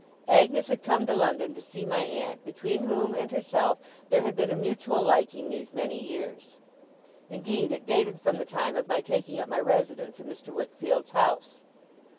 Agnes had come to London to see my aunt, between whom and herself there had been a mutual liking these many years: indeed, it dated from the time of my taking up my residence in Mr. Wickfield's house.